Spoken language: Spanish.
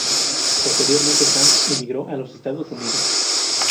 Posteriormente Hans emigró a los Estados Unidos.